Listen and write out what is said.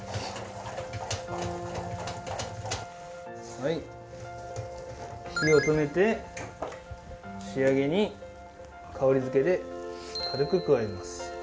はい火を止めて仕上げに香りづけで軽く加えます。